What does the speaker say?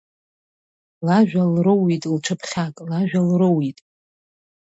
Лажәа лроут лҽыԥхьак, лажәа лроут.